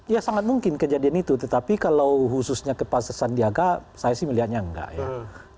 ya sangat mungkin kejadian itu tetapi kalau khususnya ke pak sandiaga saya sih melihatnya enggak ya